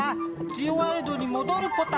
ジオワールドにもどるポタ。